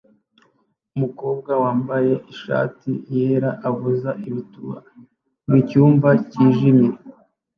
Umukobwa wambaye ishati yera avuza ibituba mucyumba cyijimye